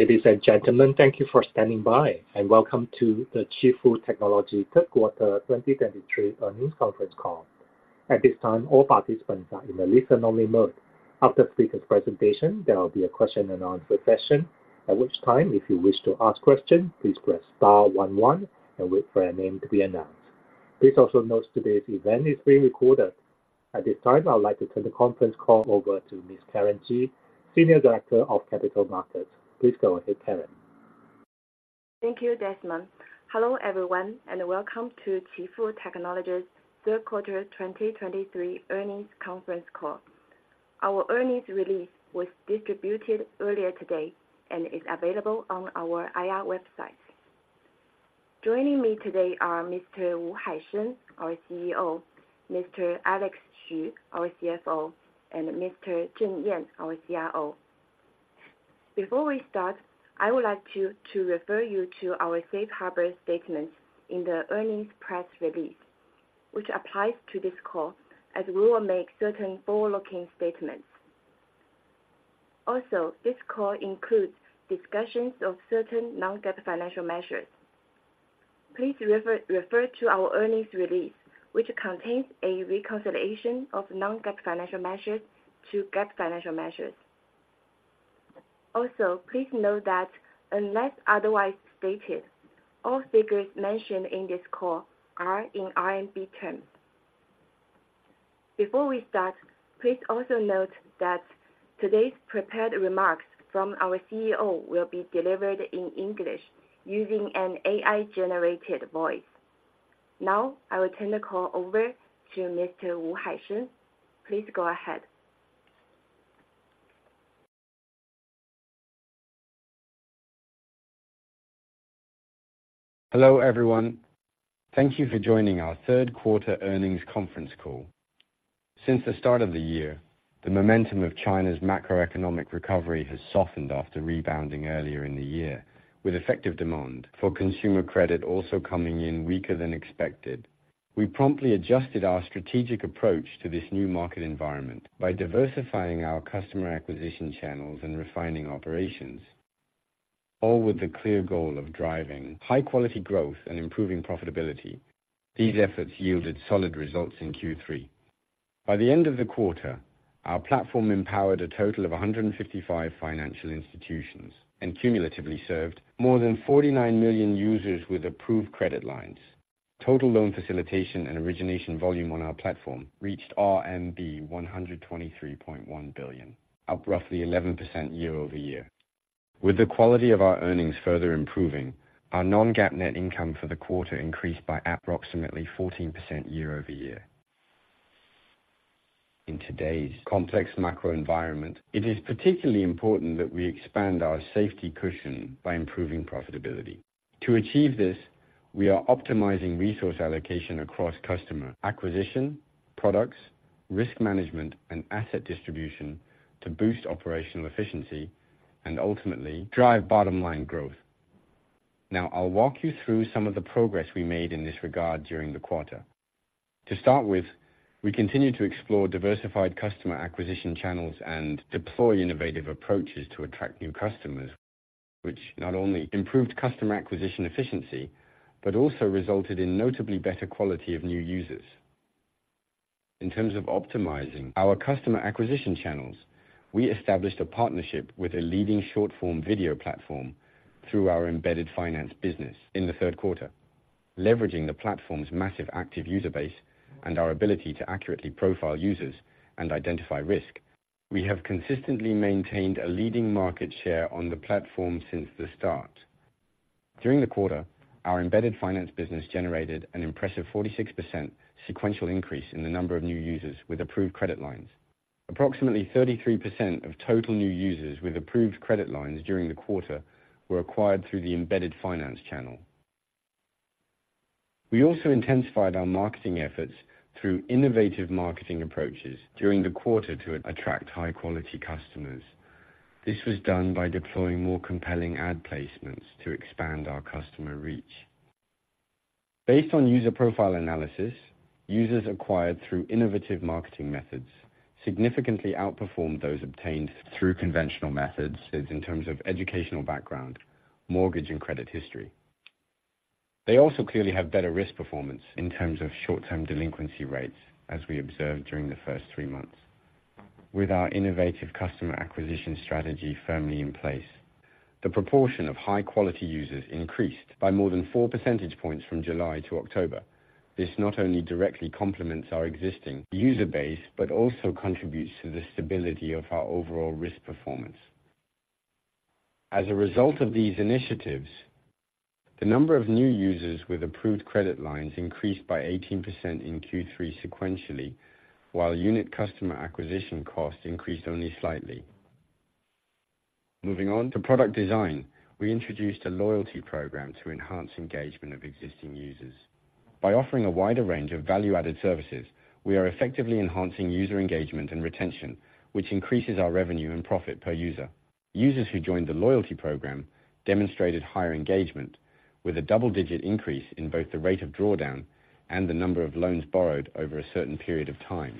Ladies and gentlemen, thank you for standing by, and welcome to the Qifu Technology Third Quarter 2023 Earnings Conference Call. At this time, all participants are in the listen only mode. After the speakers' presentation, there will be a question and answer session, at which time, if you wish to ask question, please press star one one and wait for your name to be announced. Please also note today's event is being recorded. At this time, I would like to turn the conference call over to Ms. Karen Ji, Senior Director of Capital Markets. Please go ahead, Karen. Thank you, Desmond. Hello, everyone, and welcome to Qifu Technology's Third Quarter 2023 Earnings Conference Call. Our earnings release was distributed earlier today and is available on our IR Website. Joining me today are Mr. Haisheng Wu, our CEO, Mr. Alex Xu, our CFO, and Mr. Zheng Yan, our CRO. Before we start, I would like to refer you to our safe harbor statement in the earnings press release, which applies to this call, as we will make certain forward-looking statements. Also, this call includes discussions of certain non-GAAP financial measures. Please refer to our earnings release, which contains a reconciliation of non-GAAP financial measures to GAAP financial measures. Also, please note that unless otherwise stated, all figures mentioned in this call are in RMB terms. Before we start, please also note that today's prepared remarks from our CEO will be delivered in English using an AI-generated voice. Now, I will turn the call over to Mr. Haisheng Wu. Please go ahead. Hello, everyone. Thank you for joining Our Third Quarter Earnings Conference Call. Since the start of the year, the momentum of China's macroeconomic recovery has softened after rebounding earlier in the year, with effective demand for consumer credit also coming in weaker than expected. We promptly adjusted our strategic approach to this new market environment by diversifying our customer acquisition channels and refining operations, all with the clear goal of driving high quality growth and improving profitability. These efforts yielded solid results in Q3. By the end of the quarter, our platform empowered a total of 155 financial institutions and cumulatively served more than 49 million users with approved credit lines. Total loan facilitation and origination volume on our platform reached RMB 123.1 billion, up roughly 11% year-over-year. With the quality of our earnings further improving, our Non-GAAP net income for the quarter increased by approximately 14% year-over-year. In today's complex macro environment, it is particularly important that we expand our safety cushion by improving profitability. To achieve this, we are optimizing resource allocation across customer acquisition, products, risk management, and asset distribution to boost operational efficiency and ultimately drive bottom line growth. Now, I'll walk you through some of the progress we made in this regard during the quarter. To start with, we continue to explore diversified customer acquisition channels and deploy innovative approaches to attract new customers, which not only improved customer acquisition efficiency, but also resulted in notably better quality of new users. In terms of optimizing our customer acquisition channels, we established a partnership with a leading short-form video platform through our embedded finance business in the third quarter. Leveraging the platform's massive active user base and our ability to accurately profile users and identify risk, we have consistently maintained a leading market share on the platform since the start. During the quarter, our embedded finance business generated an impressive 46% sequential increase in the number of new users with approved credit lines. Approximately 33% of total new users with approved credit lines during the quarter were acquired through the embedded finance channel. We also intensified our marketing efforts through innovative marketing approaches during the quarter to attract high quality customers. This was done by deploying more compelling ad placements to expand our customer reach. Based on user profile analysis, users acquired through innovative marketing methods significantly outperformed those obtained through conventional methods in terms of educational background, mortgage and credit history. They also clearly have better risk performance in terms of short-term delinquency rates, as we observed during the first three months. With our innovative customer acquisition strategy firmly in place, the proportion of high-quality users increased by more than four percentage points from July to October. This not only directly complements our existing user base, but also contributes to the stability of our overall risk performance. As a result of these initiatives, the number of new users with approved credit lines increased by 18% in Q3 sequentially, while unit customer acquisition costs increased only slightly. Moving on to product design, we introduced a loyalty program to enhance engagement of existing users. By offering a wider range of value-added services, we are effectively enhancing user engagement and retention, which increases our revenue and profit per user. Users who joined the loyalty program demonstrated higher engagement with a double-digit increase in both the rate of drawdown and the number of loans borrowed over a certain period of time.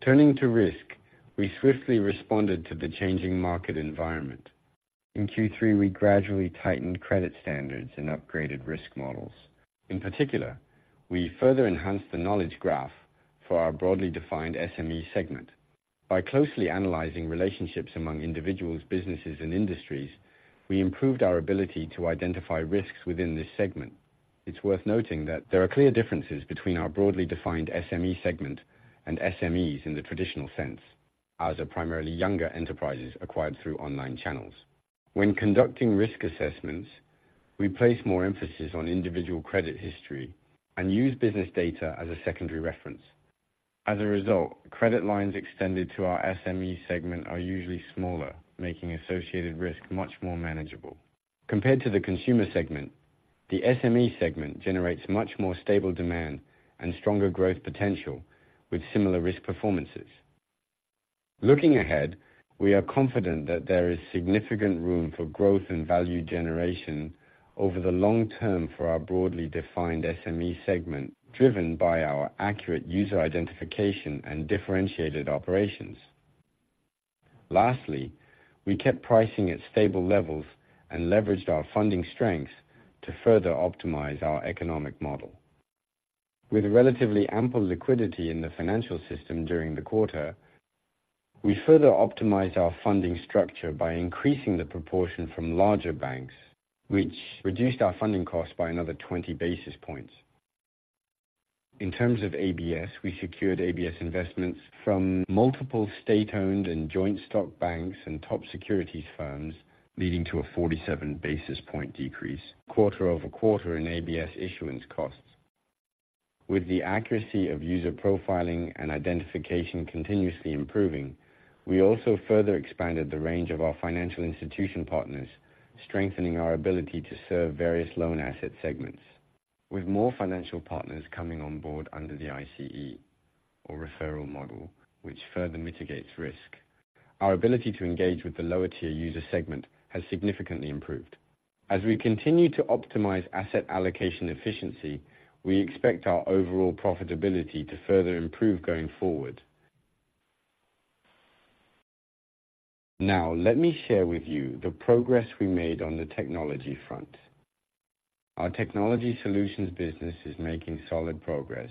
Turning to risk, we swiftly responded to the changing market environment. In Q3, we gradually tightened credit standards and upgraded risk models. In particular, we further enhanced the Knowledge Graph for our broadly defined SME segment. By closely analyzing relationships among individuals, businesses, and industries, we improved our ability to identify risks within this segment. It's worth noting that there are clear differences between our broadly defined SME segment and SMEs in the traditional sense, as are primarily younger enterprises acquired through online channels. When conducting risk assessments, we place more emphasis on individual credit history and use business data as a secondary reference. As a result, credit lines extended to our SME segment are usually smaller, making associated risk much more manageable. Compared to the consumer segment, the SME segment generates much more stable demand and stronger growth potential, with similar risk performances. Looking ahead, we are confident that there is significant room for growth and value generation over the long term for our broadly defined SME segment, driven by our accurate user identification and differentiated operations. Lastly, we kept pricing at stable levels and leveraged our funding strengths to further optimize our economic model. With relatively ample liquidity in the financial system during the quarter, we further optimized our funding structure by increasing the proportion from larger banks, which reduced our funding costs by another 20 basis points. In terms of ABS, we secured ABS investments from multiple state-owned and joint stock banks and top securities firms, leading to a 47 basis point decrease, quarter-over-quarter in ABS issuance costs. With the accuracy of user profiling and identification continuously improving, we also further expanded the range of our financial institution partners, strengthening our ability to serve various loan asset segments. With more financial partners coming on board under the ICE or referral model, which further mitigates risk, our ability to engage with the lower tier user segment has significantly improved. As we continue to optimize asset allocation efficiency, we expect our overall profitability to further improve going forward. Now, let me share with you the progress we made on the technology front. Our Technology Solutions business is making solid progress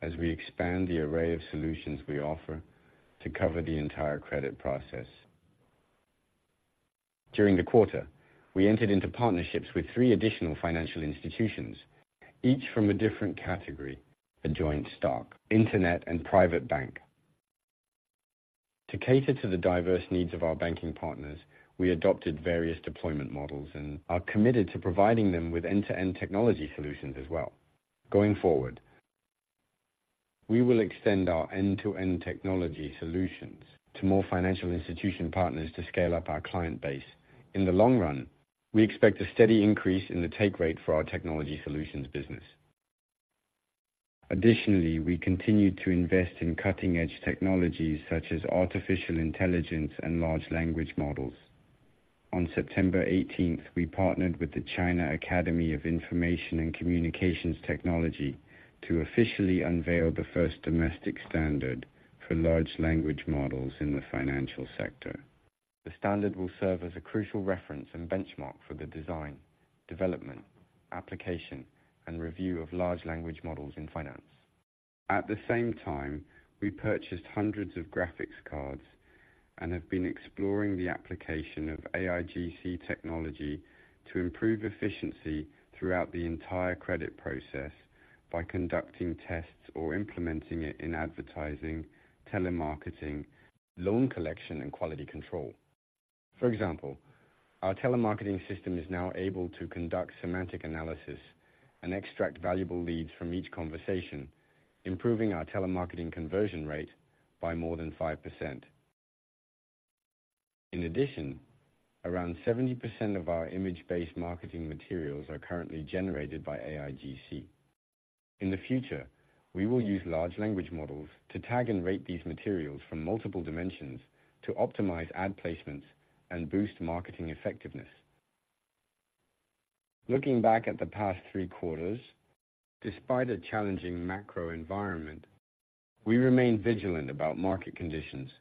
as we expand the array of solutions we offer to cover the entire credit process. During the quarter, we entered into partnerships with three additional financial institutions, each from a different category: a joint stock, internet, and private bank. To cater to the diverse needs of our banking partners, we adopted various deployment models and are committed to providing them with end-to-end technology solutions as well. Going forward, we will extend our end-to-end technology solutions to more financial institution partners to scale up our client base. In the long run, we expect a steady increase in the take rate for our technology solutions business. Additionally, we continued to invest in cutting-edge technologies, such as artificial intelligence and large language models. On September 18, we partnered with the China Academy of Information and Communications Technology to officially unveil the first domestic standard for large language models in the financial sector. The standard will serve as a crucial reference and benchmark for the design, development, application, and review of large language models in finance. At the same time, we purchased hundreds of graphics cards and have been exploring the application of AIGC technology to improve efficiency throughout the entire credit process by conducting tests or implementing it in advertising, telemarketing, loan collection, and quality control. For example, our telemarketing system is now able to conduct semantic analysis and extract valuable leads from each conversation, improving our telemarketing conversion rate by more than 5%. In addition, around 70% of our image-based marketing materials are currently generated by AIGC. In the future, we will use large language models to tag and rate these materials from multiple dimensions to optimize ad placements and boost marketing effectiveness. Looking back at the past three quarters, despite a challenging macro environment, we remained vigilant about market conditions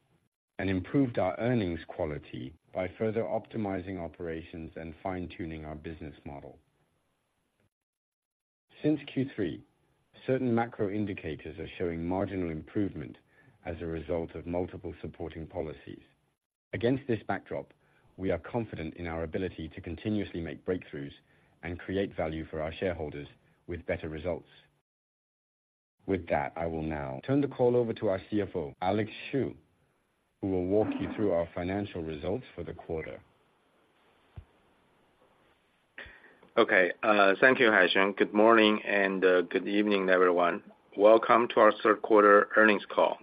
and improved our earnings quality by further optimizing operations and fine-tuning our business model. Since Q3, certain macro indicators are showing marginal improvement as a result of multiple supporting policies. Against this backdrop, we are confident in our ability to continuously make breakthroughs and create value for our shareholders with better results. With that, I will now turn the call over to our CFO, Alex Xu, who will walk you through our financial results for the quarter. Okay, thank you, Haisheng. Good morning and good evening, everyone. Welcome to our third quarter earnings call.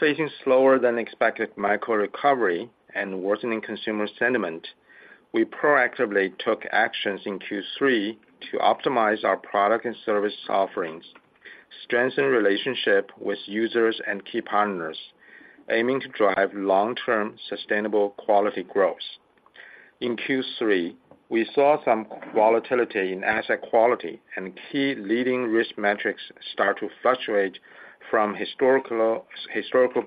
Facing slower than expected micro recovery and worsening consumer sentiment, we proactively took actions in Q3 to optimize our product and service offerings, strengthen relationship with users and key partners, aiming to drive long-term, sustainable quality growth. In Q3, we saw some volatility in asset quality and key leading risk metrics start to fluctuate from historical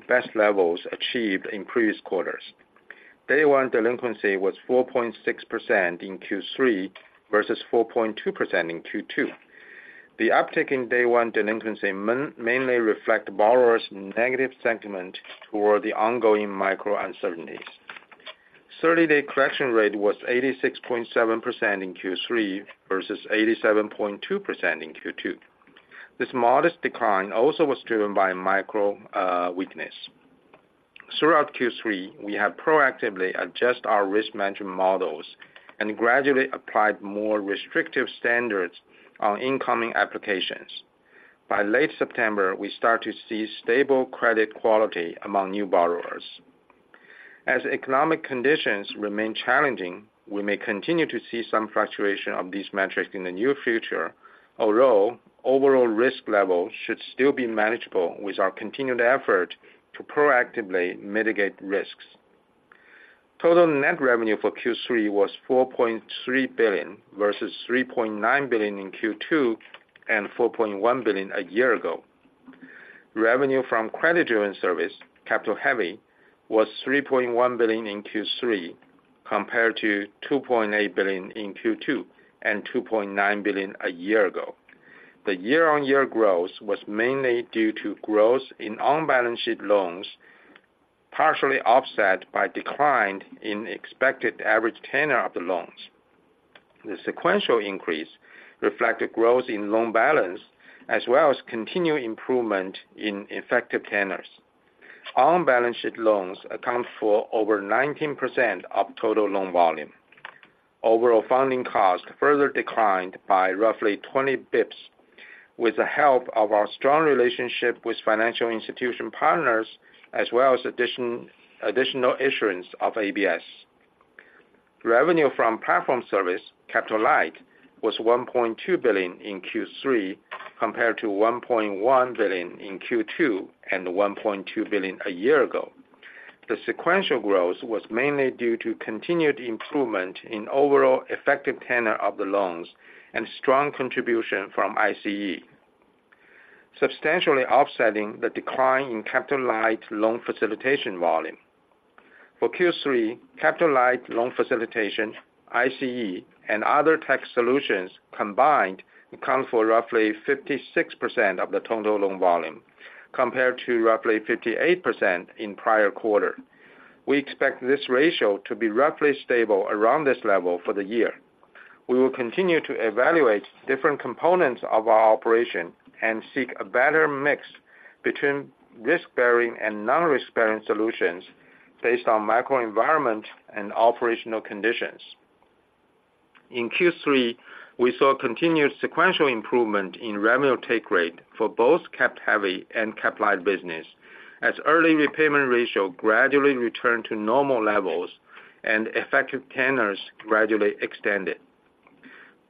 best levels achieved in previous quarters. Day one delinquency was 4.6% in Q3, versus 4.2% in Q2. The uptick in day one delinquency mainly reflect borrowers' negative sentiment toward the ongoing macro uncertainties. Thirty-day collection rate was 86.7% in Q3, versus 87.2% in Q2. This modest decline also was driven by macro weakness. Throughout Q3, we have proactively adjusted our risk management models and gradually applied more restrictive standards on incoming applications. By late September, we start to see stable credit quality among new borrowers. As economic conditions remain challenging, we may continue to see some fluctuation of these metrics in the near future, although overall risk level should still be manageable with our continued effort to proactively mitigate risks. Total net revenue for Q3 was 4.3 billion, versus 3.9 billion in Q2 and 4.1 billion a year ago. Revenue from credit-driven service, capital heavy, was 3.1 billion in Q3, compared to 2.8 billion in Q2 and 2.9 billion a year ago. The year-on-year growth was mainly due to growth in on-balance sheet loans, partially offset by decline in expected average tenor of the loans. The sequential increase reflected growth in loan balance, as well as continued improvement in effective tenors. On-balance sheet loans account for over 19% of total loan volume. Overall funding cost further declined by roughly 20 basis points, with the help of our strong relationship with financial institution partners, as well as additional issuance of ABS. Revenue from platform service, capital light, was 1.2 billion in Q3, compared to 1.1 billion in Q2 and 1.2 billion a year ago. The sequential growth was mainly due to continued improvement in overall effective tenor of the loans and strong contribution from ICE, substantially offsetting the decline in capital light loan facilitation volume. For Q3, capital light loan facilitation, ICE, and other tech solutions combined account for roughly 56% of the total loan volume, compared to roughly 58% in prior quarter. We expect this ratio to be roughly stable around this level for the year. We will continue to evaluate different components of our operation and seek a better mix between risk-bearing and non-risk-bearing solutions based on macro environment and operational conditions. In Q3, we saw continued sequential improvement in revenue take rate for both cap heavy and cap light business, as early repayment ratio gradually returned to normal levels and effective tenors gradually extended.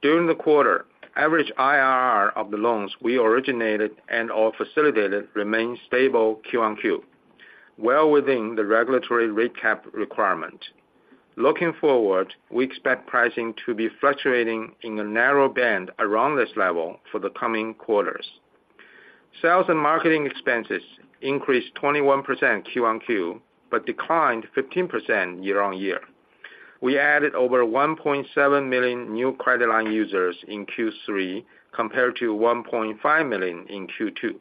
During the quarter, average IRR of the loans we originated and/or facilitated remained stable Q-on-Q, well within the regulatory rate cap requirement. Looking forward, we expect pricing to be fluctuating in a narrow band around this level for the coming quarters. Sales and marketing expenses increased 21% Q-on-Q, but declined 15% year-on-year. We added over 1.7 million new credit line users in Q3, compared to 1.5 million in Q2.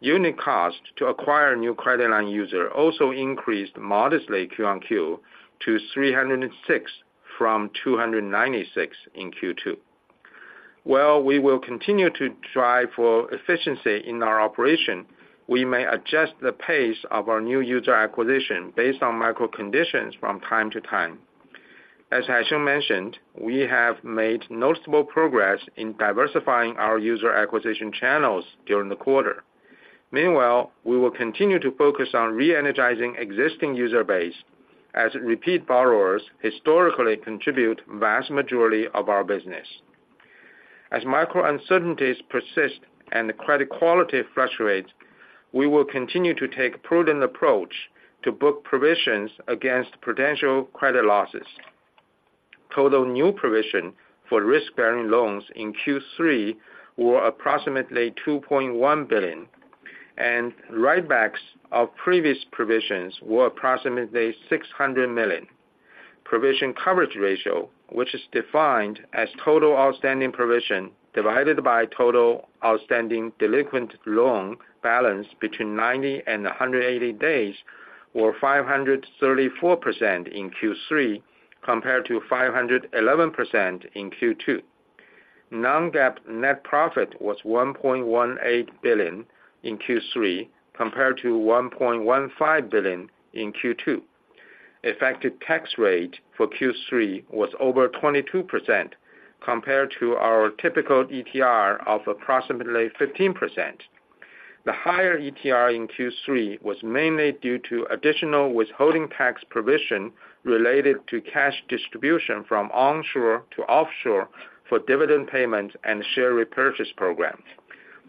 Unit cost to acquire new credit line user also increased modestly Q-on-Q to 306 from 296 in Q2. While we will continue to drive for efficiency in our operation, we may adjust the pace of our new user acquisition based on macro conditions from time to time. As Haisheng mentioned, we have made noticeable progress in diversifying our user acquisition channels during the quarter. Meanwhile, we will continue to focus on re-energizing existing user base as repeat borrowers historically contribute vast majority of our business. As macro uncertainties persist and the credit quality fluctuates, we will continue to take a prudent approach to book provisions against potential credit losses. Total new provision for risk-bearing loans in Q3 were approximately 2.1 billion, and write backs of previous provisions were approximately 600 million. Provision coverage ratio, which is defined as total outstanding provision divided by total outstanding delinquent loan balance between 90 and 180 days, were 534% in Q3, compared to 511% in Q2. Non-GAAP net profit was 1.18 billion in Q3, compared to 1.15 billion in Q2. Effective tax rate for Q3 was over 22%, compared to our typical ETR of approximately 15%. The higher ETR in Q3 was mainly due to additional withholding tax provision related to cash distribution from onshore to offshore for dividend payments and share repurchase programs....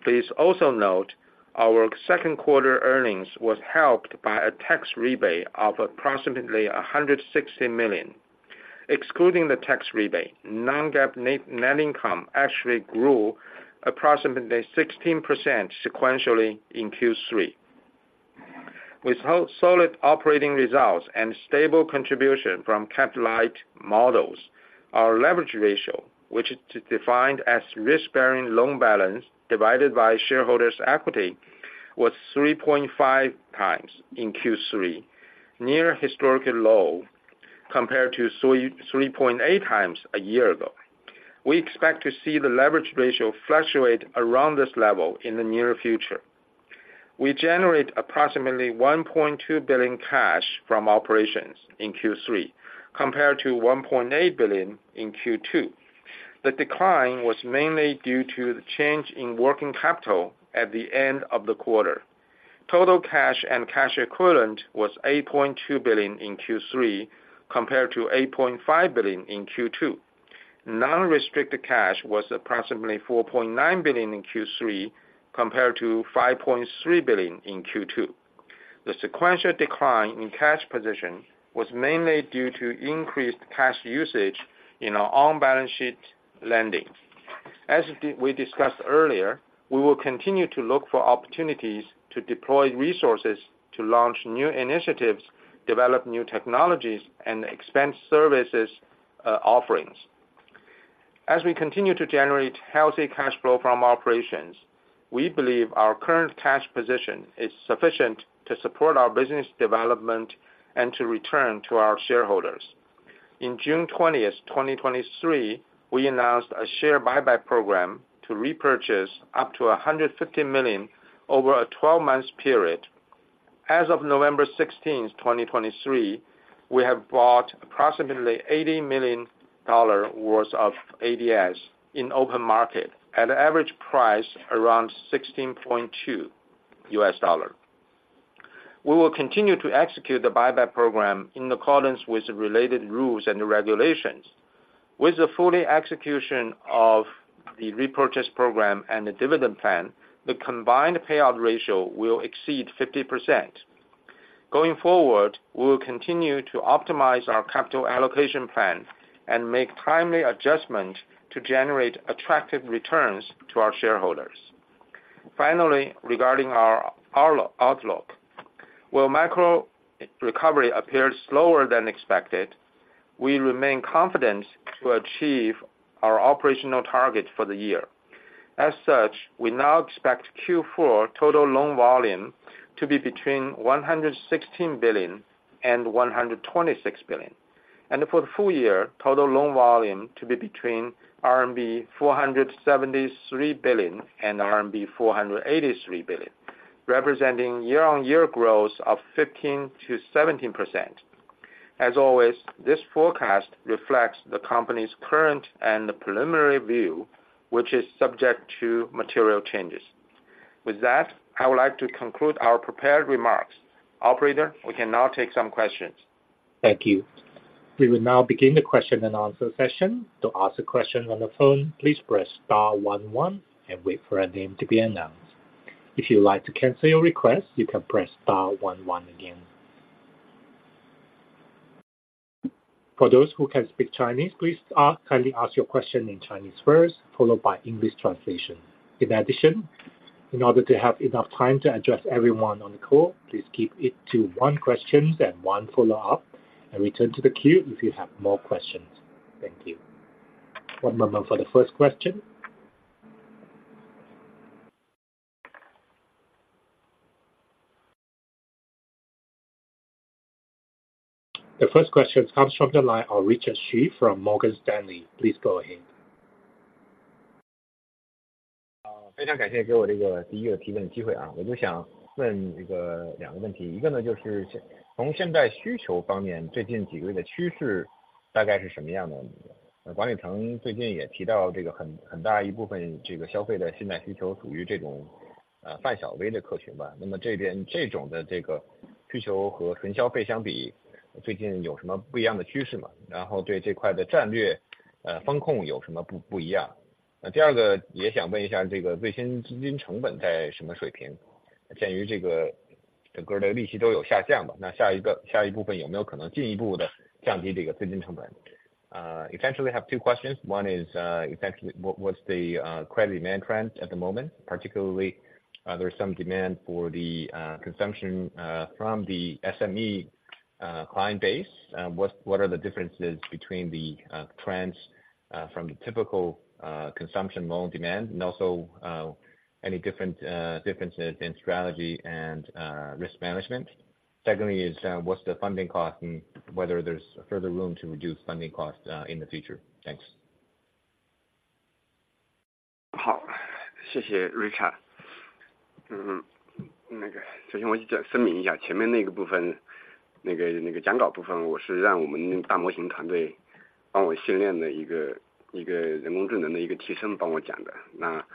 Please also note, our second quarter earnings was helped by a tax rebate of approximately 160 million. Excluding the tax rebate, Non-GAAP net, net income actually grew approximately 16% sequentially in Q3. With our solid operating results and stable contribution from capital light models, our leverage ratio, which is defined as risk-bearing loan balance divided by shareholders' equity, was 3.5 times in Q3, near a historical low compared to 3.8 times a year ago. We expect to see the leverage ratio fluctuate around this level in the near future. We generate approximately 1.2 billion cash from operations in Q3, compared to 1.8 billion in Q2. The decline was mainly due to the change in working capital at the end of the quarter. Total cash and cash equivalents was 8.2 billion in Q3, compared to 8.5 billion in Q2. Non-restricted cash was approximately 4.9 billion in Q3, compared to 5.3 billion in Q2. The sequential decline in cash position was mainly due to increased cash usage in our on-balance sheet lending. As we discussed earlier, we will continue to look for opportunities to deploy resources to launch new initiatives, develop new technologies, and expand services, offerings. As we continue to generate healthy cash flow from operations, we believe our current cash position is sufficient to support our business development and to return to our shareholders. In June 20th, 2023, we announced a share buyback program to repurchase up to 150 million over a 12-month period. As of November 16, 2023, we have bought approximately $80 million worth of ADSs in open market at an average price around $16.2. We will continue to execute the buyback program in accordance with the related rules and regulations. With the fully execution of the repurchase program and the dividend plan, the combined payout ratio will exceed 50%. Going forward, we will continue to optimize our capital allocation plan and make timely adjustment to generate attractive returns to our shareholders. Finally, regarding our outlook, while macro recovery appears slower than expected, we remain confident to achieve our operational targets for the year. As such, we now expect Q4 total loan volume to be between 116 billion and 126 billion, and for the full year, total loan volume to be between RMB 473 billion and RMB 483 billion, representing year-on-year growth of 15%-17%. As always, this forecast reflects the company's current and preliminary view, which is subject to material changes. With that, I would like to conclude our prepared remarks. Operator, we can now take some questions. Thank you. We will now begin the question and answer session. To ask a question on the phone, please press star one one and wait for your name to be announced. If you'd like to cancel your request, you can press star one one again. For those who can speak Chinese, please kindly ask your question in Chinese first, followed by English translation. In addition, in order to have enough time to address everyone on the call, please keep it to one question and one follow-up, and return to the queue if you have more questions. Thank you. One moment for the first question. The first question comes from the line of Richard Xu from Morgan Stanley. Please go ahead. Essentially, I have two questions. One is, essentially, what's the credit demand trend at the moment, particularly, there's some demand for the consumption from the SME client base, what are the differences between the trends from the typical consumption loan demand? And also, any different differences in strategy and risk management. Secondly is, what's the funding cost and whether there's further room to reduce funding costs in the future? Thanks. 好，谢谢Richard。首先我声明一下，前面那个部分，那个讲稿部分，我是让我们的团队帮我训练的一个人工智能的替身帮我讲的，那后面这个问答部分，那个-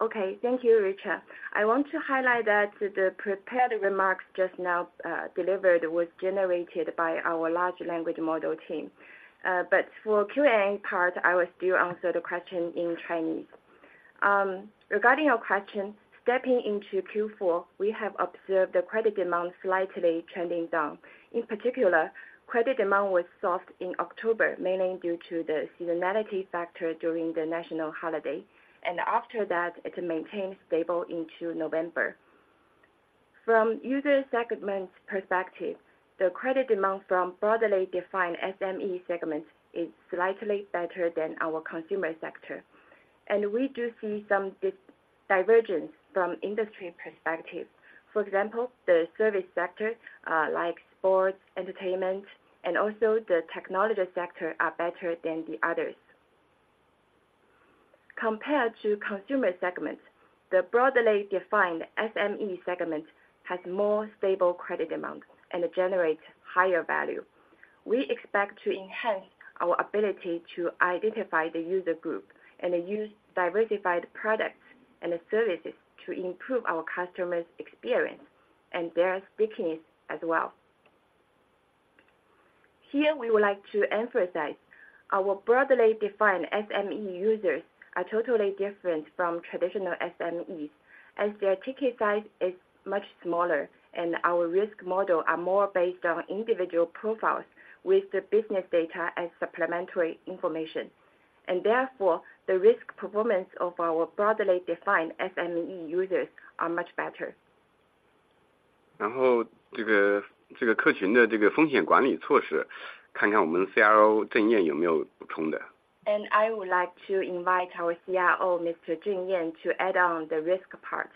Okay, thank you, Richard. I want to highlight that the prepared remarks just now delivered was generated by our Large Language Model team but for Q&A part, I will still answer the question in Chinese. Regarding your question, stepping into Q4, we have observed the credit amount slightly trending down. In particular, credit amount was soft in October, mainly due to the seasonality factor during the national holiday. And after that, it maintains stable into November. From user segment perspective, the credit demand from broadly defined SME segment is slightly better than our consumer sector, and we do see some divergence from industry perspective. For example, the service sector, like sports, entertainment and also the technology sector, are better than the others. Compared to consumer segments, the broadly defined SME segment has more stable credit amounts and generates higher value. We expect to enhance our ability to identify the user group and use diversified products and services to improve our customers' experience and their business as well. Here we would like to emphasize. Our broadly defined SME users are totally different from traditional SMEs, as their ticket size is much smaller and our risk model are more based on individual profiles with the business data as supplementary information. Therefore, the risk performance of our broadly defined SME users are much better. 然后，这个客群的风险管理措施，看看我们CRO郑燕有没有补充的。I would like to invite our CIO Mr. Zheng Yan to add on the risk part.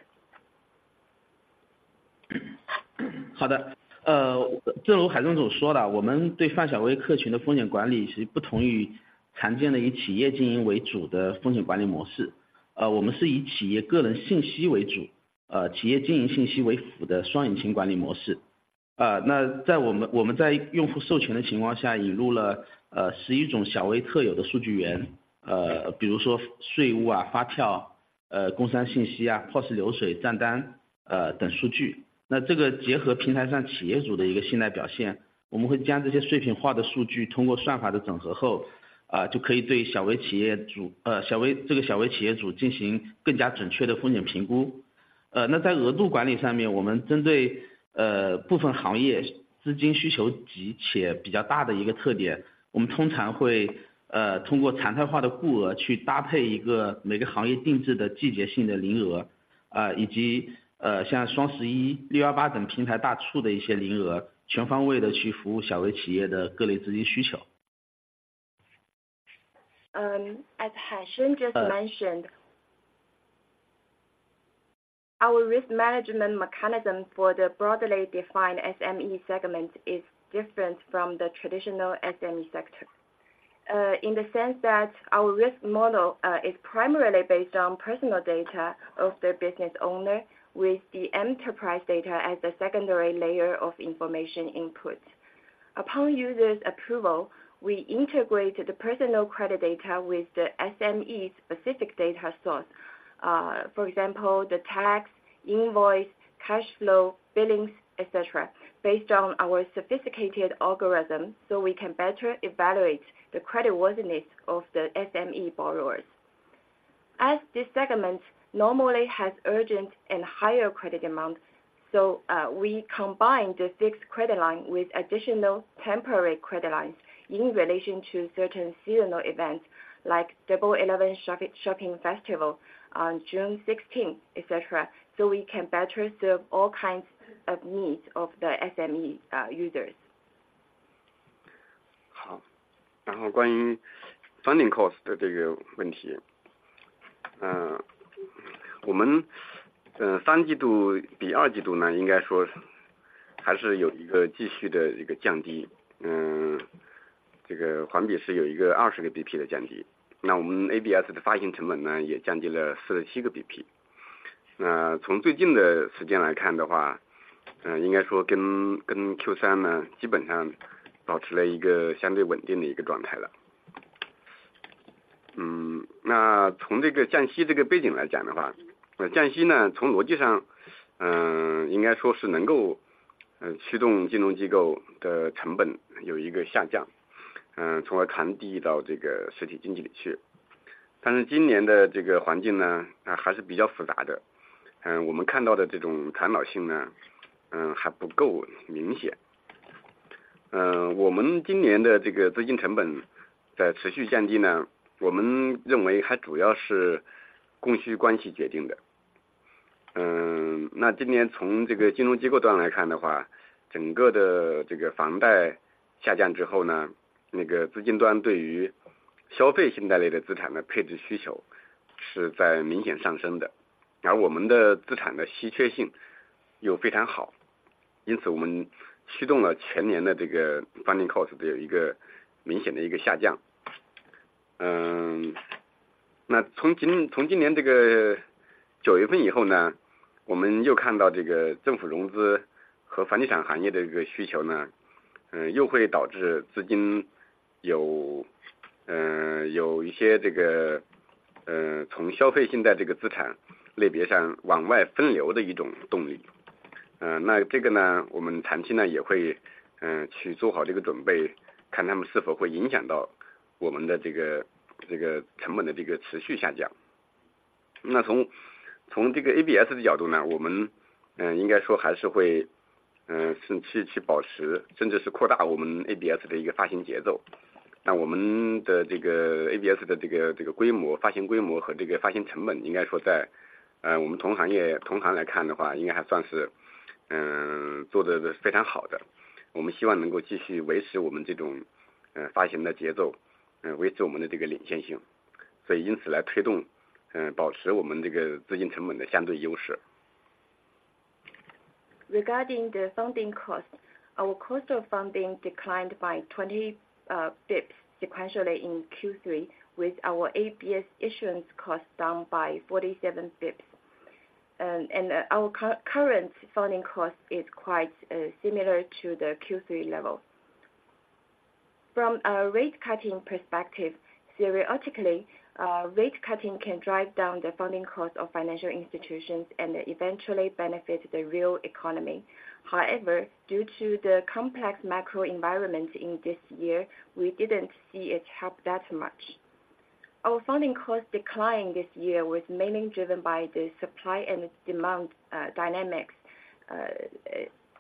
以对小微企业主进行更加准确的风险评估。那在额度管理上面，我们针对，部分行业资金需求急且比较大的一个特点，我们通常会，通过弹性的固额去匹配一个每个行业定制的季节性的限额，以及，像双十一、618等平台大促的一些限额，全方位地去服务小微企业的各类资金需求。As Haisheng just mentioned, our risk management mechanism for the broadly defined SME segment is different from the traditional SME sector. In the sense that our risk model is primarily based on personal data of the business owner with the enterprise data as the secondary layer of information input. Upon user's approval, we integrate the personal credit data with the SME specific data source, for example, the tax, invoice, cash flow, billings, etc., based on our sophisticated algorithm, so we can better evaluate the creditworthiness of the SME borrowers. As this segment normally has urgent and higher credit amounts, so we combine the fixed credit line with additional temporary credit lines in relation to certain seasonal events, like Double Eleven Shopping, Festival on June 16th, etc., so we can better serve all kinds of needs of the SME users. 好，然后关于funding Regarding the funding cost, our cost of funding declined by 20 basis points sequentially in Q3 with our ABS issuance cost down by 47 basis points. And our current funding cost is quite similar to the Q3 level. From a rate cutting perspective, theoretically, rate cutting can drive down the funding cost of financial institutions and eventually benefit the real economy. However, due to the complex macro environment in this year, we didn't see it help that much. Our funding cost decline this year was mainly driven by the supply and demand dynamics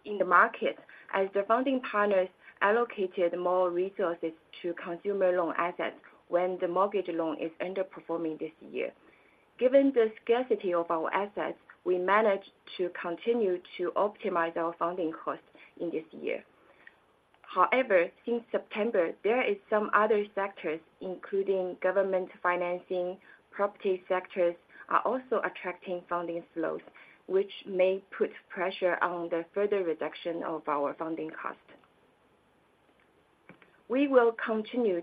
in the market, as the funding partners allocated more resources to consumer loan assets when the mortgage loan is underperforming this year. Given the scarcity of our assets, we managed to continue to optimize our funding costs in this year. However, since September, there is some other sectors, including government financing, property sectors, are also attracting funding flows, which may put pressure on the further reduction of our funding cost. We will continue,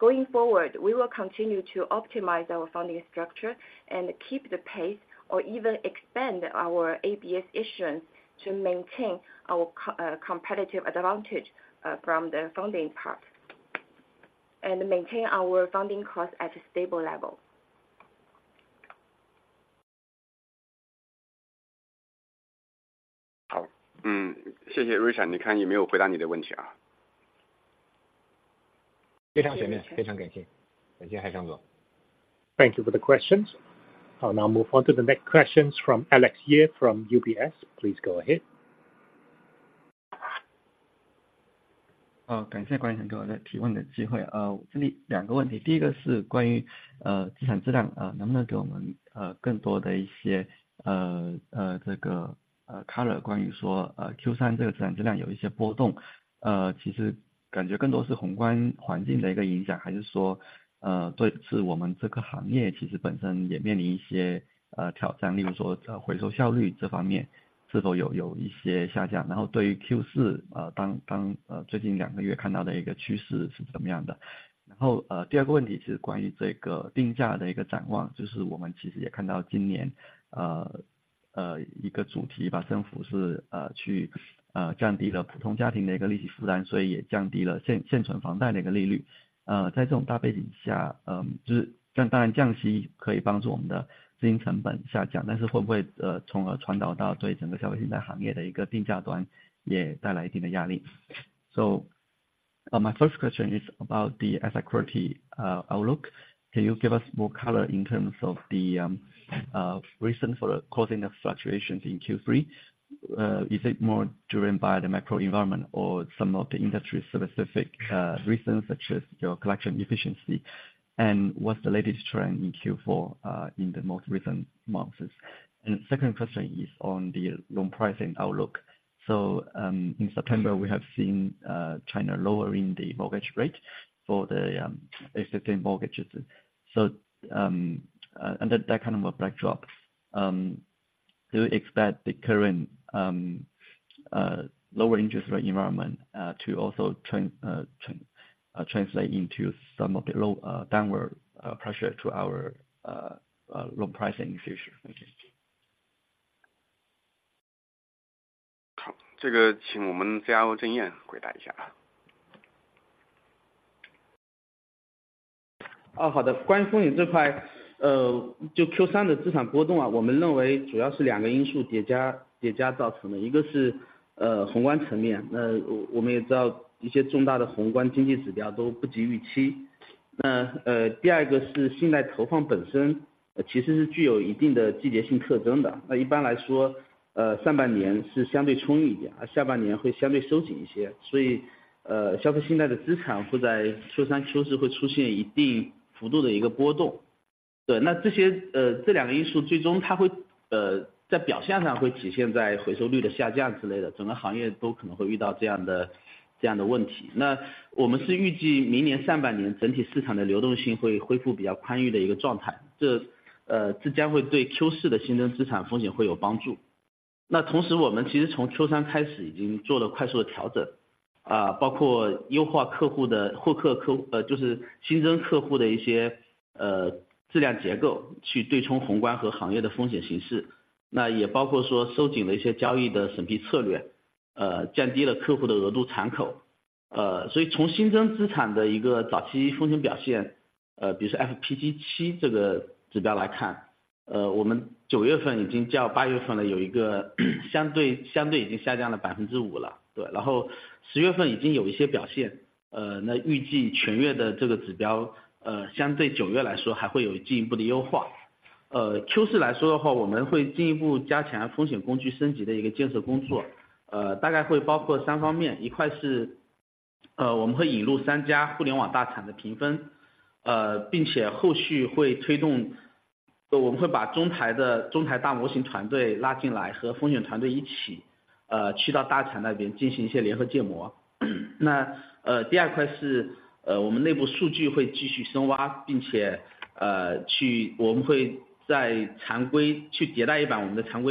going forward, we will continue to optimize our funding structure and keep the pace or even expand our ABS issuance to maintain our cost competitive advantage from the funding part, and maintain our funding cost at a stable level. 好，谢谢，Richard，你看有没有回答你的问题啊？ 非常谢谢，非常感谢，感谢海强总。Thank you for the questions. Now move on to the next questions from Alex Ye from UBS. Please go ahead. 哦，感谢管理层给我的提问的机会。这里2个问题，第一个是关于资产质量，能不能给我们更多的一些color关于Q3这个资产质量有一些波动，其实感觉更多是宏观环境的一个影响，还是说，是我们这个行业其实本身也面临一些挑战，例如说回收效率方面是否有一些下降？然后对于Q4，当前最近2个月看到的一个趋势是怎么样的？ 然后，第二个问题是关于这个定价的一个展望，就是我们其实也看到今年，一个主题吧，政府是，去，降低了普通家庭的一个利息负担，所以也降低了现-现存房贷的一个利率。在这种大背景下，就是当然降息可以帮助我们的经营成本下降，但是会不会，从而传导到对整个消费信贷行业的一个定价端也带来一定的压力。So, my first question is about the asset quality outlook, can you give us more color in terms of the reason for causing the fluctuations in Q3? Is it more driven by the macro environment or some of the industry specific reasons, such as your collection efficiency? What's the latest trend in Q4 in the most recent months? Second question is on the loan pricing outlook. In September, we have seen China lowering the mortgage rate for the existing mortgages. Under that kind of a backdrop, do you expect the current lower interest rate environment to also translate into some of the low downward pressure to our loan pricing future? Thank you. 好，这个请我们CIO郑燕回答一下。哦，好 的，关于风险这块，就 Q3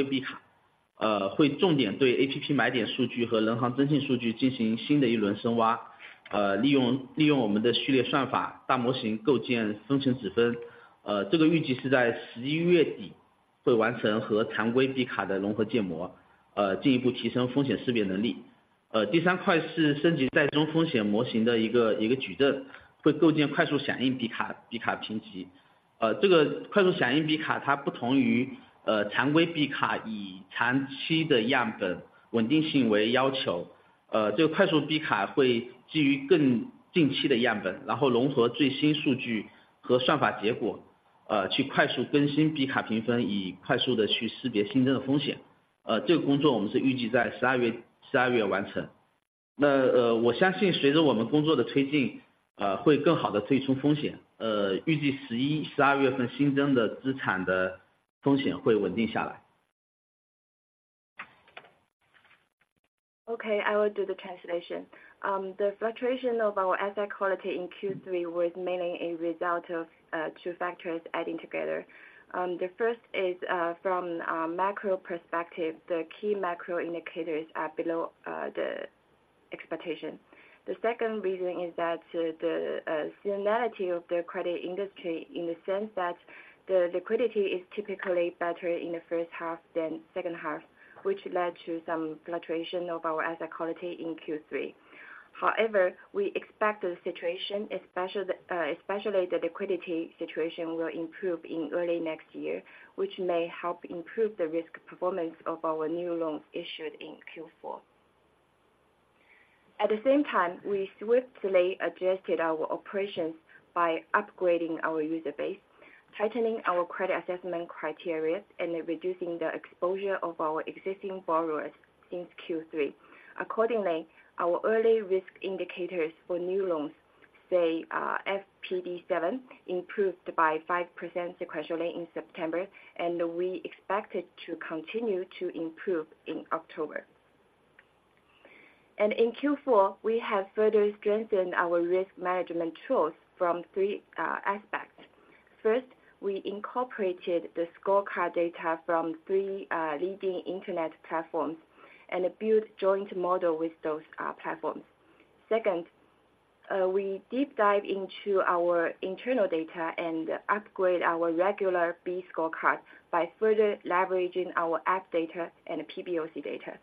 B 卡，会重点对 APP 买点数据和人行征信数据进行新的一轮深挖，利用，利用我们的序列算法大模型构建风险指标，这个预计是在十一月底会完成和常规 B 卡的融合建模，进一步提升风险识别能力。第三个是升级贷中风险模型的一个，矩阵，会构建快速响应 B 卡，B 卡评分。这个快速响应 B 卡，它不同于常规 B 卡，以长期的样本稳定性为要求，这个快速 B 卡会基于更近期的样本，然后融合最新数据和算法结果，去快速更新 B 卡评分，以快速地去识别新增的风险。这个工作我们是预计在十二月，十二月完成。那，我相信随着我们工作的推进，会更好地对冲风险，预计十一、十二月份新增的资产的风险会稳定下来。Okay, I will do the translation. The fluctuation of our asset quality in Q3 was mainly a result of two factors adding together. The first is from our macro perspective, the key macro indicators are below the expectation. The second reason is that the similarity of the credit industry in the sense that the liquidity is typically better in the first half than second half, which led to some fluctuation of our asset quality in Q3. However, we expect the situation, especially the, especially the liquidity situation, will improve in early next year, which may help improve the risk performance of our new loans issued in Q4. At the same time, we swiftly adjusted our operations by upgrading our user base, tightening our credit assessment criteria, and reducing the exposure of our existing borrowers since Q3. Accordingly, our early risk indicators for new loans, say FPD7, improved by 5% sequentially in September, and we expect it to continue to improve in October. And in Q4, we have further strengthened our risk management tools from three aspects... First, we incorporated the scorecard data from three leading internet platforms and built joint model with those platforms. Second, we deep dive into our internal data and upgrade our regular B Scorecard by further leveraging our app data and PBOC data,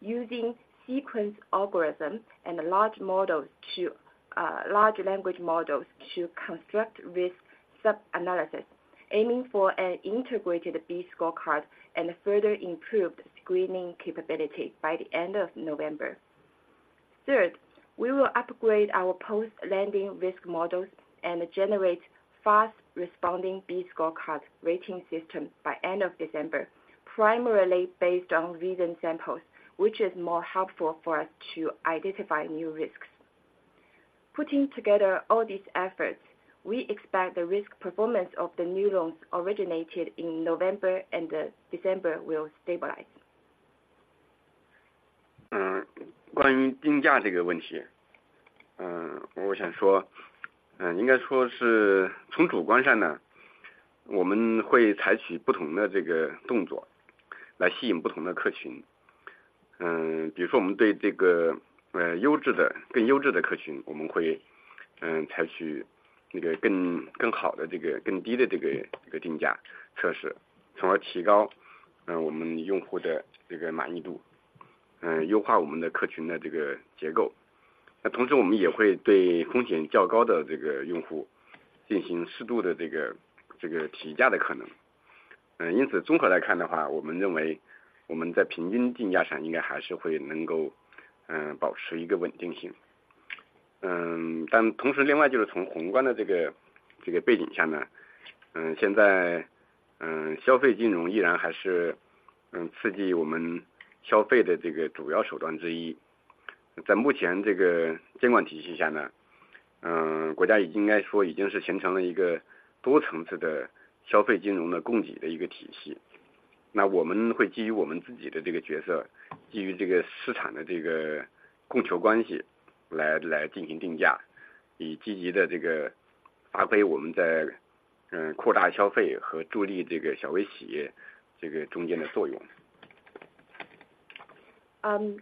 using sequence algorithm and large models to, large language models to construct risk sub-analysis, aiming for an integrated B Scorecard and further improved screening capability by the end of November. Third, we will upgrade our post-lending risk models and generate fast-responding B Scorecard rating system by end of December, primarily based on recent samples, which is more helpful for us to identify new risks. Putting together all these efforts, we expect the risk performance of the new loans originated in November and December will stabilize.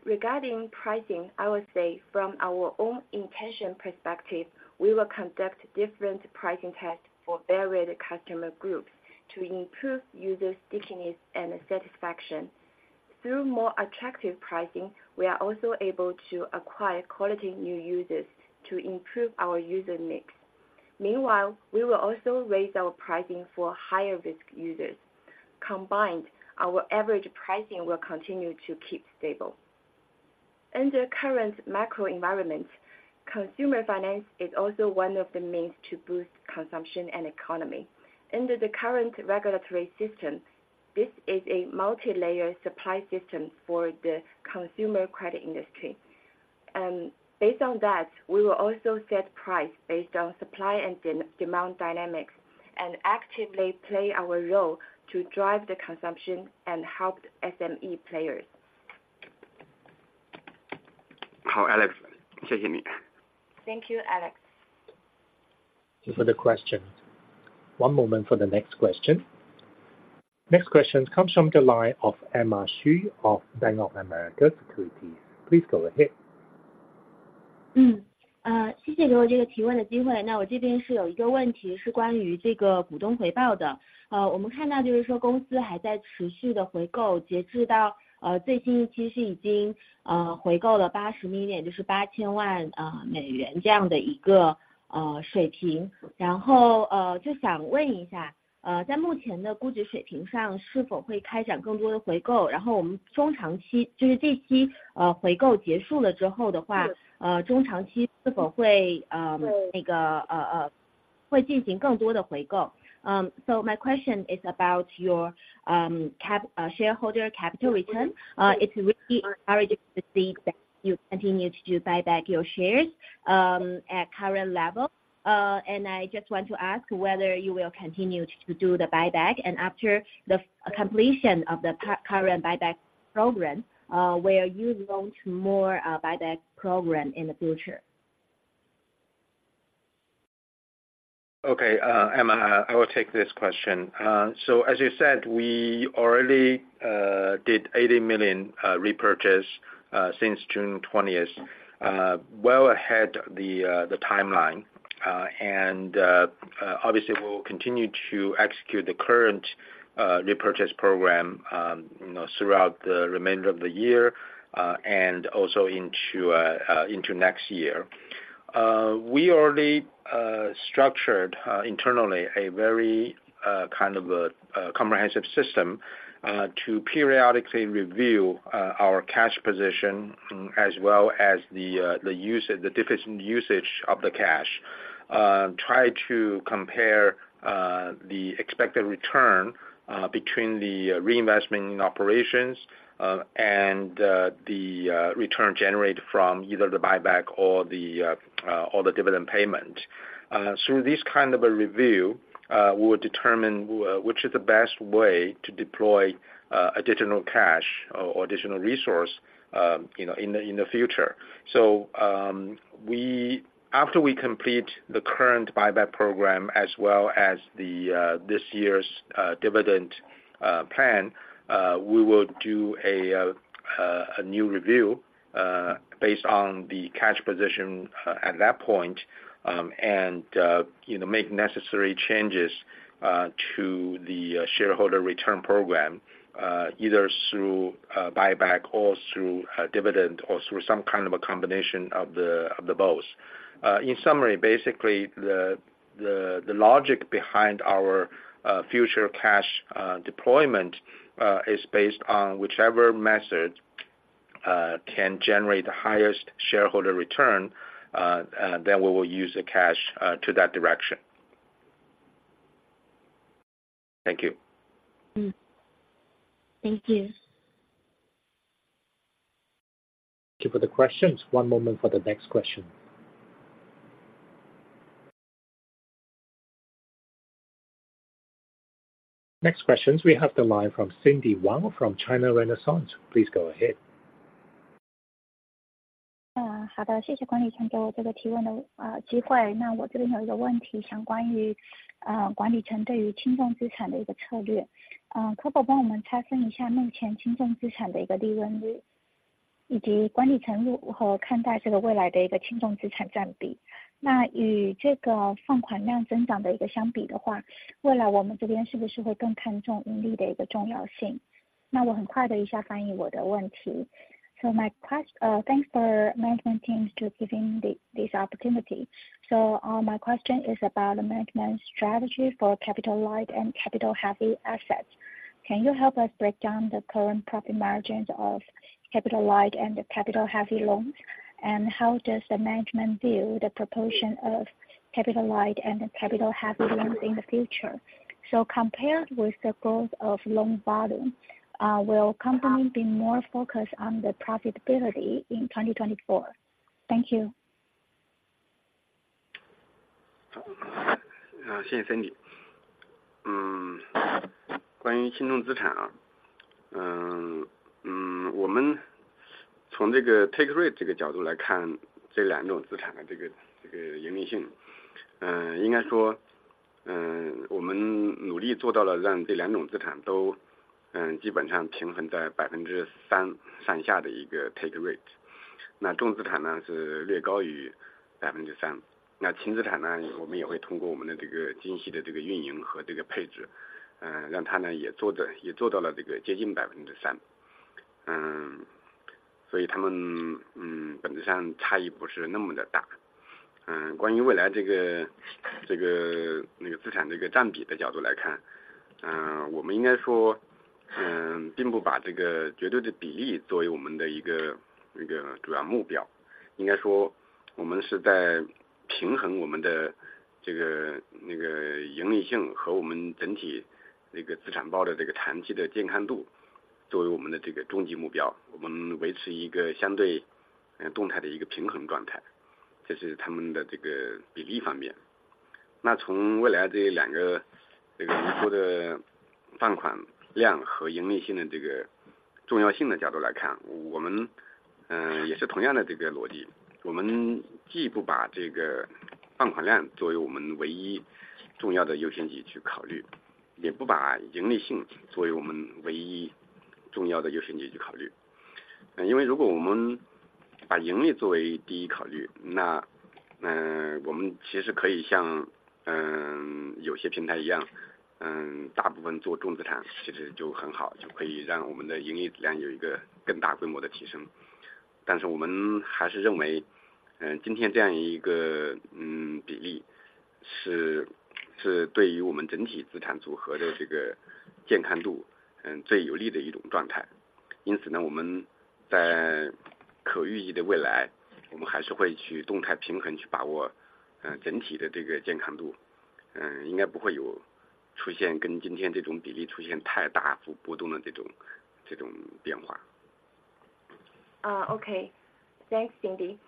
Regarding pricing, I would say from our own intention perspective, we will conduct different pricing tests for varied customer groups to improve user stickiness and satisfaction. Through more attractive pricing, we are also able to acquire quality new users to improve our user mix. Meanwhile, we will also raise our pricing for higher risk users. Combined, our average pricing will continue to keep stable. Under current macro environment, consumer finance is also one of the means to boost consumption and economy. Under the current regulatory system, this is a multilayer supply system for the consumer credit industry. And based on that, we will also set price based on supply and demand dynamics, and actively play our role to drive the consumption and help SME players. 好，Alex，谢谢你。Thank you, Alex. Thank you for the question. One moment for the next question. Next question comes from the line of Emma Xu of Bank of America Securities. Please go ahead. Thank you for giving me this opportunity to ask the question. So I have a question about shareholder returns. We see that the company is still continuously repurchasing, as of the most recent period, it has already repurchased $80 million, that is 80 million dollars at such a level. Then I want to ask, at the current valuation level, will it conduct more repurchases? Then for the medium to long term, after this period of repurchase ends, for the medium to long term, will it -嗯。那个，会进行更多的回购。So my question is about your shareholder capital return. Yes. It's really encouraging to see that you continue to do buyback your shares at current level. I just want to ask whether you will continue to do the buyback and after the completion of the current buyback program, will you launch more buyback program in the future? Okay, Emma.I will take this question. So as you said, we already did $80 million repurchase since June twentieth. Well ahead of the timeline. And obviously, we will continue to execute the current repurchase program, you know, throughout the remainder of the year, and also into next year. We already structured internally a very kind of a comprehensive system to periodically review our cash position, as well as the use of the efficient usage of the cash. Try to compare the expected return between the reinvestment in operations, and the return generated from either the buyback or the dividend payment. Through this kind of a review, we will determine which is the best way to deploy additional cash or additional resource, you know, in the future. So, after we complete the current buyback program, as well as this year's dividend plan, we will do a new review based on the cash position at that point, and you know, make necessary changes to the shareholder return program, either through buyback or through dividend, or through some kind of a combination of the both. In summary, basically, the logic behind our future cash deployment is based on whichever method can generate the highest shareholder return, then we will use the cash to that direction. Thank you. Mm-hmm. Thank you. Thank you for the questions. One moment for the next question. Next questions, we have the line from Cindy Wang from China Renaissance. Please go ahead. 嗨，谢谢管理层给我这个提问的机会。那我这边有一个问题，关于管理层对于轻重资产的一个策略。可否帮我们拆分一下目前轻重资产的一个利润率，以及管理层如何看待这个未来的一个轻重资产占比？那与这个放款量增长的一个相比的话，未来我们这边是不是会更看重盈利的一个重要性？那我很快的一下翻译我的问题。So my question, thanks for management teams to giving this opportunity. So, my question is about the management strategy for Capital Light and Capital Heavy assets. Can you help us break down the current profit margins of Capital Light and the Capital Heavy loans? And how does the management view the proportion of Capital Light and the Capital Heavy loans in the future? So compared with the growth of loan volume, will company be more focused on the profitability in 2024? Thank you. 谢谢Cindy。关于轻重资产。从这个take rate角度来看，这两种资产的盈利性，应该说，我们努力做到了让这两种资产都基本上平衡在3%左右的一个take rate。那重资产呢，是略高于3%，那轻资产呢，我们也会通过我们的精细的运营和配置，让它也做到了接近3%。所以它们，本质上差异不是那么大。关于未来的资产占比的角度来看，我们应该说，并不把这个绝对的比例作为我们的一个主要目标。应该说，我们是在平衡我们的盈利性和我们整体资产包的长期健康度，作为我们的终极目标，我们维持一个相对动态的一个平衡状态，这是它们的比例方面。那从未来这两个，你说的放款量和盈利性的重要性的角度来看，我们也是同样的逻辑，我们既不把这个放款量作为我们唯一重要的优先级去考虑，也不把盈利性作为我们唯一重要的优先级去考虑。因为如果我们把盈利作为第一考虑，那，我们其实可以像... Okay. Thanks, Cindy.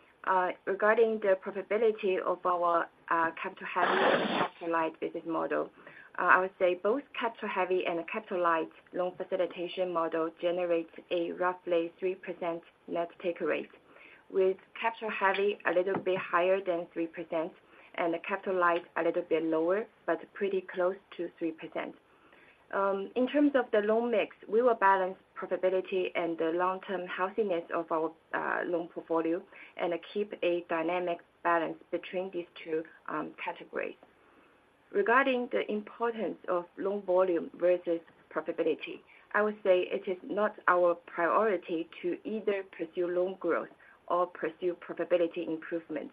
Regarding the profitability of our capital heavy and capital light business model. I would say both capital heavy and capital light loan facilitation model generates a roughly 3% net take rate, with capital heavy a little bit higher than 3%, and the capital light a little bit lower, but pretty close to 3%. In terms of the loan mix, we will balance profitability and the long-term healthiness of our loan portfolio and keep a dynamic balance between these two categories. Regarding the importance of loan volume versus profitability, I would say it is not our priority to either pursue loan growth or pursue profitability improvements.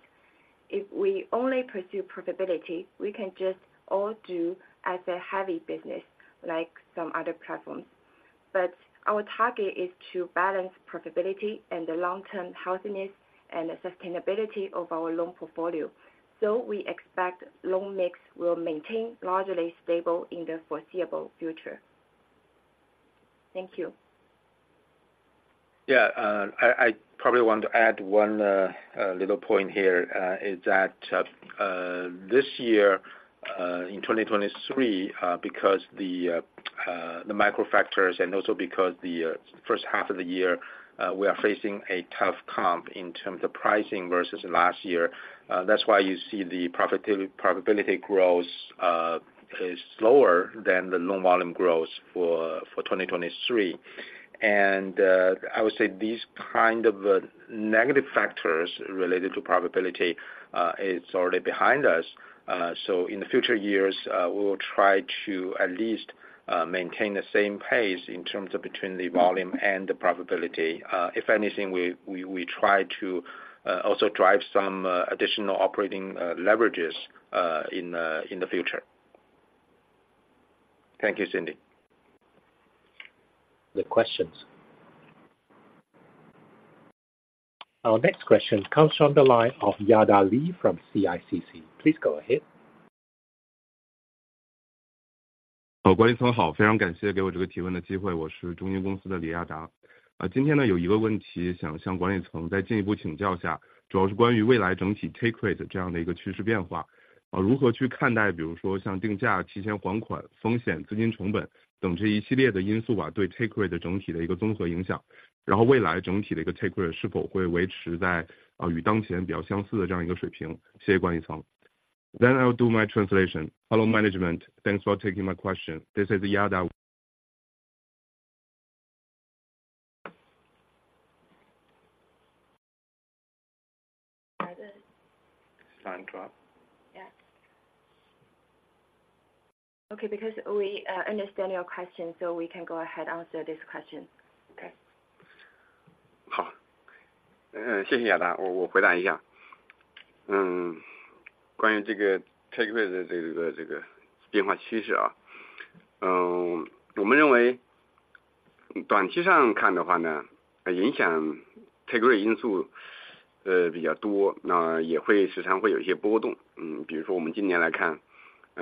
If we only pursue profitability, we can just all do as a heavy business, like some other platforms. Our target is to balance profitability and the long-term healthiness and sustainability of our loan portfolio. We expect loan mix will maintain largely stable in the foreseeable future. Thank you. Yeah. I probably want to add one little point here, is that in 2023, because the micro factors and also because the first half of the year, we are facing a tough comp in terms of pricing versus last year. That's why you see the profitability growth is slower than the loan volume growth for 2023. I would say these kind of negative factors related to profitability is already behind us. So in the future years, we will try to at least maintain the same pace in terms of between the volume and the profitability. If anything, we try to also drive some additional operating leverages in the future. Thank you, Cindy. The questions. Our next question comes from the line of Yada Li from CICC. Please go ahead. Hello, good evening! I'll do my translation. Hello, management. Thanks for taking my question. This is Yada. Line dropped. Yes. Okay, because we understand your question, so we can go ahead answer this question. Okay. 好。谢谢大家，我回答一下。关于这个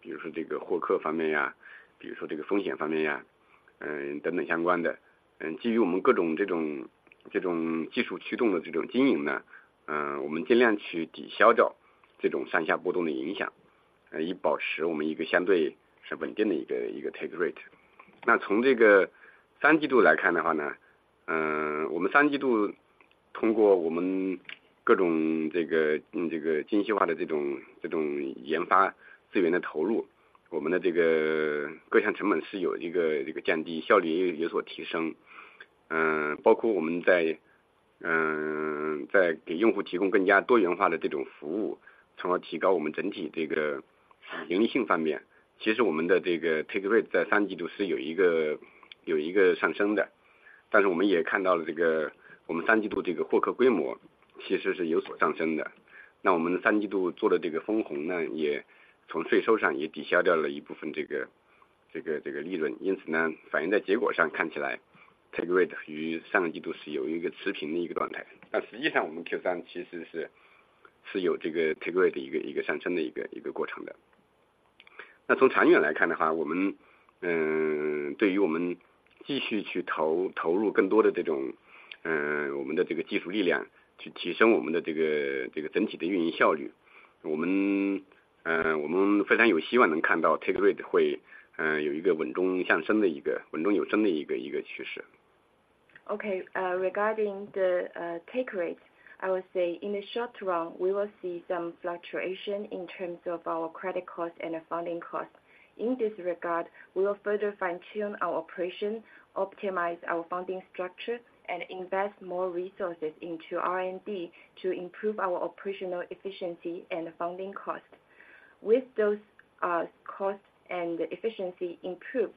Take Rate 的这个变化趋势啊，... 我们认为短期上看的话，影响 take rate 因素，比较多，那也会经常会有一些波动。比如说我们今年来看，风险会有一些波动，资金成本呢，也有一个向下的波动。因此呢，我们在各种波动因素中，在各种波动中间，我们通过我们自己的努力，比如说我们通过资金成本的降低优化，以及我们投入更多的研发资源，来降低我们的各种经营成本，比如说获客方面呀，比如说风险方面呀，等等相关的。基于我们各种技术驱动的经营，我们尽量去抵消掉这种上下波动的影 响，以保持我们一个相对稳定的 take rate。那从第三季度来看的话，我们第三季度通过我们各种精细化的研发资源的投入，我们的各项成本是有一个降低，效率也有所提升。包括我们在给用户提供更加多元化的服务，从而提高我们整体盈利性方面。其实我们的 take rate 在第三季度是有一个上升的，但是我们也看到了，我们第三季度获客规模其实是有所上升的，那我们第三季度做的分红呢，也从税收上抵消掉了一部分利润。因此呢，反映在结果上，看起来 take rate 与上个季度是有一个持平的状态，但实际上我们 Q3 其实是有 take rate 的一个上升的过程。那从长远来看的话，我们对于我们继续投入更多的，我们的技术力量，去提升我们的整体的运营效率，我们非常有希望能看到 take rate 会有一个稳中向升的稳中有升的趋势。Okay. Regarding the take rate, I would say in the short run, we will see some fluctuation in terms of our credit cost and funding cost. In this regard, we will further fine-tune our operation, optimize our funding structure, and invest more resources into R&D to improve our operational efficiency and funding cost. With those costs and efficiency improved,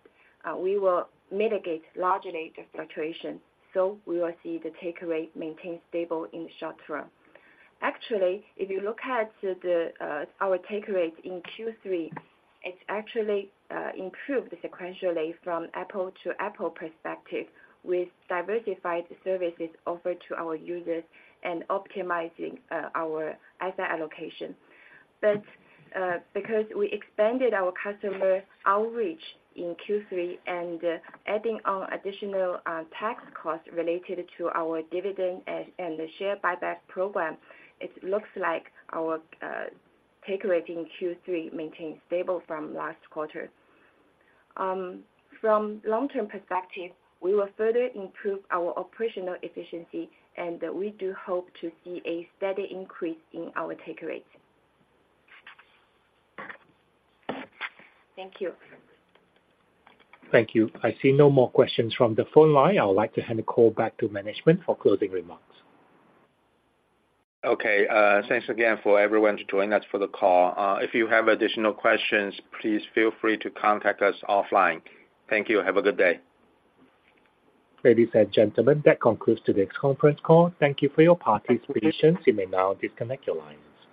we will mitigate largely the fluctuation. So we will see the take rate maintain stable in the short term. Actually, if you look at our take rate in Q3, it's actually improved sequentially from apple-to-apple perspective with diversified services offered to our users and optimizing our asset allocation. But, because we expanded our customer outreach in Q3 and adding on additional tax costs related to our dividend and the share buyback program, it looks like our Take Rate in Q3 maintained stable from last quarter. From long-term perspective, we will further improve our operational efficiency, and we do hope to see a steady increase in our Take Rate. Thank you. Thank you. I see no more questions from the phone line. I would like to hand the call back to management for closing remarks. Okay. Thanks again for everyone to join us for the call. If you have additional questions, please feel free to contact us offline. Thank you. Have a good day. Ladies and gentlemen, that concludes today's conference call. Thank you for your participation. You may now disconnect your lines.